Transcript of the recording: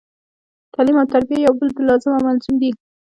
تعلیم او تربیه یو د بل لازم او ملزوم دي